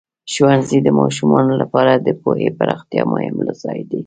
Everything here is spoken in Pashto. ښوونځی د ماشومانو لپاره د پوهې د پراختیا مهم ځای دی.